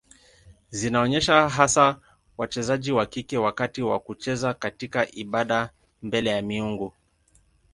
Zinaonyesha hasa wachezaji wa kike wakati wa kucheza katika ibada mbele ya miungu.